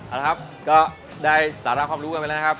เอาละครับก็ได้สาระความรู้กันไปแล้วนะครับ